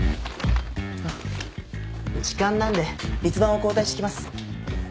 時間なんで立番を交代してきます。